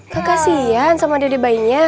kekasian sama dede bayinya